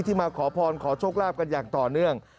มาขอพรขอโชคลาภกันอย่างต่อเนื่อง